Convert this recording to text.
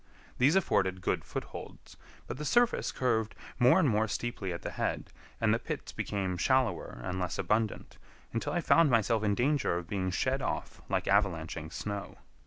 These afforded good footholds, but the surface curved more and more steeply at the head, and the pits became shallower and less abundant, until I found myself in danger of being shed off like avalanching snow.